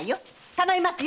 頼みますよ！